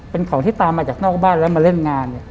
เป็นของที่ตามมาจากนอกบ้านแล้วมาเล่นงาน